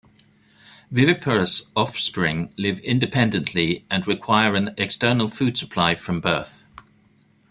Viviparous offspring live independently and require an external food supply from birth.